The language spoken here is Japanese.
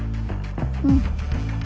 うん。